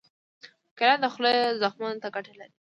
کېله د خولې زخمونو ته ګټه لري.